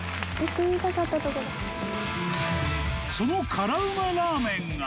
その辛ウマラーメンが